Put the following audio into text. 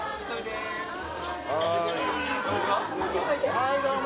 はいどうも。